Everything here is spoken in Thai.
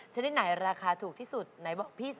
ชนิดไหนราคาถูกที่สุดไหนบอกพี่